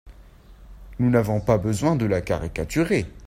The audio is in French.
Nous n’avons pas besoin de la caricaturer.